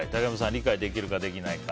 理解できるかできないか。